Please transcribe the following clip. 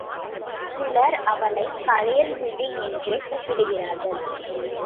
சிலர் அவளைக் கயல்விழி என்றே கூப்பிடுகிறார்கள்.